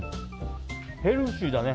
ヘルシーだね。